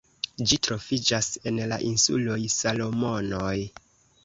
Ĝi troviĝas en la insuloj Salomonoj.